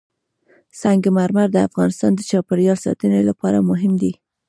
سنگ مرمر د افغانستان د چاپیریال ساتنې لپاره مهم دي.